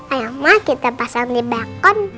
ayam ma kita pasang di back home